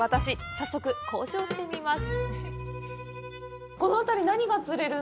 早速交渉してみます。